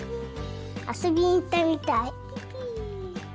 遊びに行ったみたい。